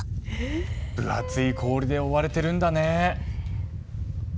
分厚い氷で覆われてるんだね。